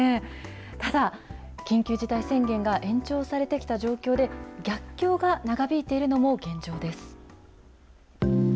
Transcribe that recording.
ただ、緊急事態宣言が延長されてきた状況で、逆境が長引いているのも現状です。